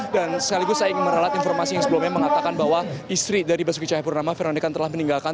dan sekaligus saya ingin meralat informasi yang sebelumnya mengatakan bahwa istri dari basuki cahaya purnama veronika telah meninggalkan